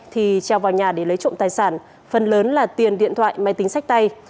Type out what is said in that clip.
thì treo vào nhà để lấy trộm tài sản phần lớn là tiền điện thoại máy tính sách tay